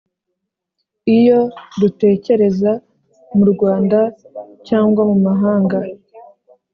ibyo dutekereza muRwanda cyangwa mu mahanga